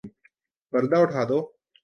پردہ اٹھادو